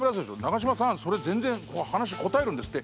長嶋さんそれ全然話答えるんですって。